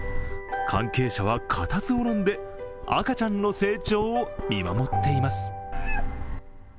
関係者は固唾をのんで赤ちゃんの成長を見守っています。